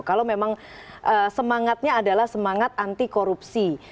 kalau memang semangatnya adalah semangat anti korupsi